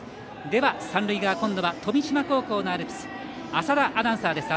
では、三塁側、今度は富島高校のアルプス浅田アナウンサーです。